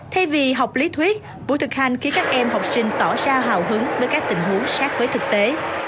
thay vì học lý thuyết buổi thực hành khiến các em học sinh tỏ ra hào hứng với các tình huống sát với thực tế